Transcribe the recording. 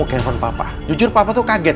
kamu ke handphone papa jujur papa tuh kaget